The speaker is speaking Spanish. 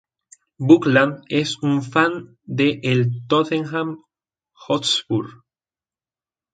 Buckland es un fan de el Tottenham Hotspur.